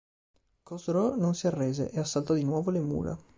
Cosroe non si arrese e assaltò di nuovo le mura.